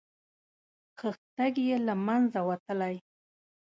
خښتګ یې له منځه وتلی.